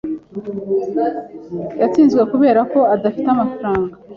Yatsinzwe kubera ko adafite amafaranga.